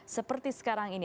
seperti sekarang ini